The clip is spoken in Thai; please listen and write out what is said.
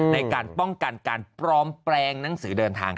ในการป้องกันการปลอมแปลงหนังสือเดินทาง